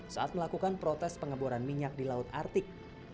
saat melakukan protes pengeboran minyak di laut artik